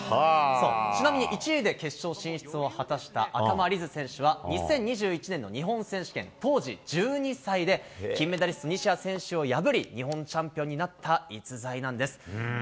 ちなみに１位で決勝進出を果たした赤間凛音選手は、２０２１年の日本選手権、当時１２歳で金メダリスト、西矢選手を破り、日本チャンピオンになった逸材なんです。